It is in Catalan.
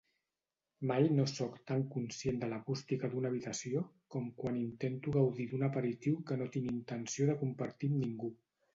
Mai no soc tan conscient de l'acústica d'una habitació com quan intento gaudir d'un aperitiu que no tinc intenció de compartir amb ningú.